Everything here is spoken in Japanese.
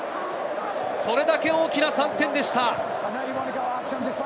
それだけ大きな３点でした。